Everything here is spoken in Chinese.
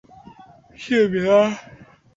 石牌村的历史可追溯至宋朝。